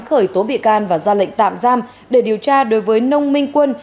khởi tố bị can và ra lệnh tạm giam để điều tra đối với nông minh quân